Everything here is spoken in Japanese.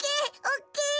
おっきい！